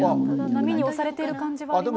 波に押されている感じはありますね。